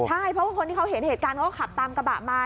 ใช่เพราะว่าคนที่เขาเห็นเหตุการณ์เขาก็ขับตามกระบะมา